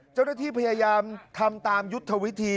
เจ้าหน้าที่พยายามทำตามยุทธวิธี